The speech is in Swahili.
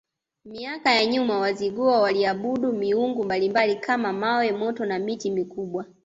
Miaka ya nyuma Wazigua waliabudu miungu mbalimbali kama mawe moto na miti mikubwa